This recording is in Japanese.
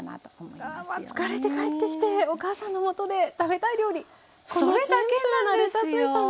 疲れて帰ってきてお母さんのもとで食べたい料理このシンプルなレタス炒め。